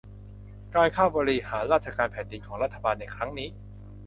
การเข้าบริหารราชการแผ่นดินของรัฐบาลในครั้งนี้